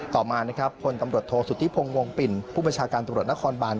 ต่อมานะครับพลตำรวจโทษสุธิพงศ์วงปิ่นผู้บัญชาการตำรวจนครบาน